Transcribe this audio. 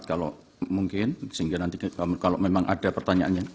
kalau mungkin sehingga nanti kalau memang ada pertanyaannya